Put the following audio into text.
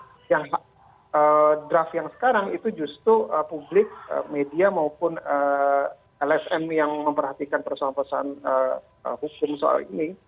nah draft yang sekarang itu justru publik media maupun lsm yang memperhatikan persoalan persoalan hukum soal ini